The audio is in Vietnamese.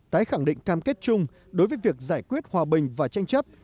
tái khẳng định cam kết chung đối với việc giải quyết hòa bình và tranh chấp